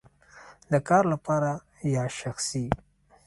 د کار لپاره یا شخصی؟